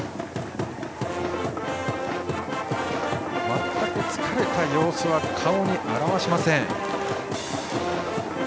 全く疲れた様子は顔に表しません。